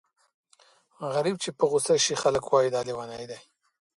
غريب چې په غوسه شي خلک وايي دا لېونی دی.